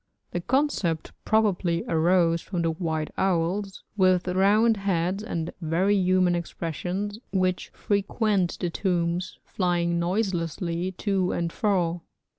The concept probably arose from the white owls, with round heads and very human expressions, which frequent the tombs, flying noiselessly to and fro.